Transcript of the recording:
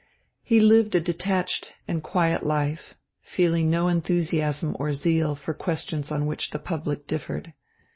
He lived a detached and quiet life, feeling no enthusiasm or zeal for questions on which the public differed.